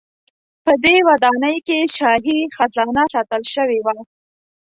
په دې ودانۍ کې شاهي خزانه ساتل شوې وه.